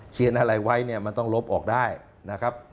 เขียนอะไรไว้เนี่ยมันต้องลบออกได้นะครับ